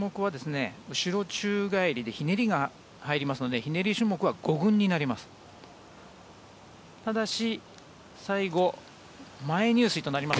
この種目は後ろ宙返りでひねりが入りますのでひねり種目は５群になります。